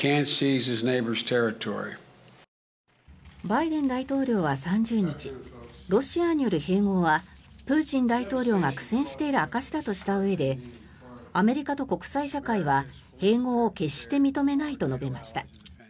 バイデン大統領は３０日ロシアによる併合はプーチン大統領が苦戦している証しだとしたうえでアメリカと国際社会は併合を決して認めないと述べました。